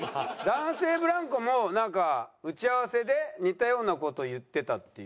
男性ブランコもなんか打ち合わせで似たような事言ってたっていう。